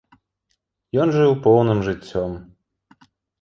Ён жыў поўным жыццём.